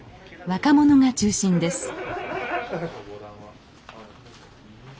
若者が中心です